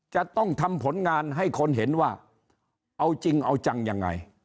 จะต้องทำผลงานให้คนเห็นว่าเอาจริงเอาจังยังไง